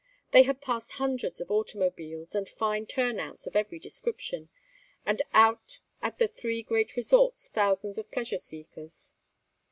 They had passed hundreds of automobiles and fine turnouts of every description, and out at the three great resorts thousands of pleasure seekers.